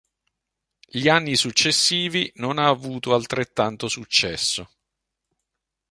Gli anni successivi non ha avuto altrettanto successo.